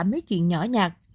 mấy chuyện nhỏ nhạt